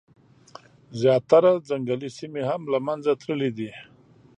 زیاتره ځنګلي سیمي هم له منځه تللي دي.